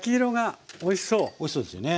おいしそうですよね。